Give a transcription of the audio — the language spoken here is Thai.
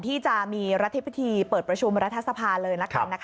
ที่จะมีรัฐพิธีเปิดประชุมรัฐสภาเลยละกัน